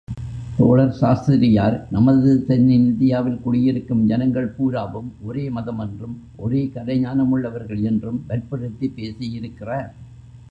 தோழர் சாஸ்திரியார் நமது தென்னிந்தியாவில் குடியிருக்கும் ஜனங்கள் பூராவும் ஒரே மதமென்றும், ஒரே கலைஞானமுள்ளவர்கள் என்றும் வற்புறுத்திப் பேசியிருக்கிறார்.